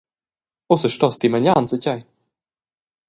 Ussa stos ti magliar enzatgei!